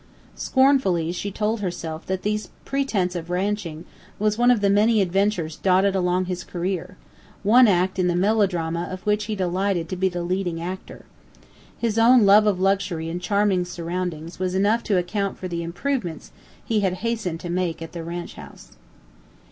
Scornfully she told herself that this pretence at ranching was one of the many adventures dotted along his career; one act in the melodrama of which he delighted to be the leading actor. His own love of luxury and charming surroundings was enough to account for the improvements he hastened to make at the ranchhouse.